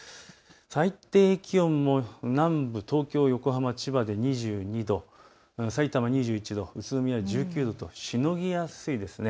最低気温も南部、東京、横浜、千葉で２２度、さいたま２１度、宇都宮１９度としのぎやすいですね。